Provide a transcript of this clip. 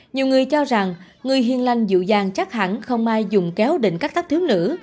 nhiều người cho rằng người hiền lành dịu dàng chắc hẳn không ai dùng kéo định các tác thiếu nữ